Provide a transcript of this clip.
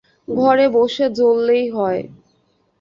ঘরে বসে জ্বললেই হয়।